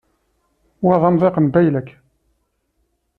Wa d amḍiq n baylek.